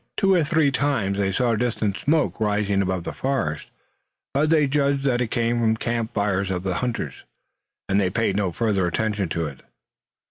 Two or three times they saw distant smoke rising above the forest, but they judged that it came from the camp fires of hunters, and they paid no further attention to it.